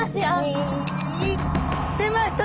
２出ました！